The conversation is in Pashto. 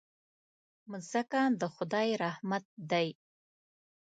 مځکه د خدای رحمت دی.